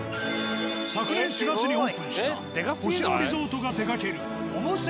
昨年４月にオープンした星野リゾートが手がけるＯＭＯ７